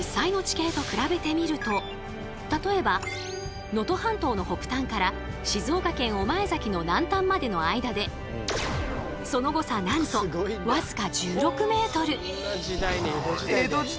例えば能登半島の北端から静岡県御前崎の南端までの間でその後も地図はどんどんと進化。